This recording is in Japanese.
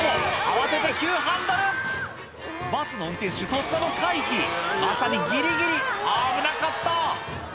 慌てて急ハンドルバスの運転手とっさの回避まさにギリギリ危なかった！